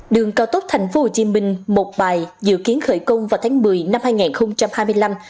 đường cao tốc tp hcm một bài dự kiến khởi công vào tháng một mươi năm hai nghìn hai mươi năm